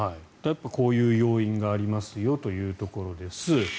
こういう要因がありますよというところです。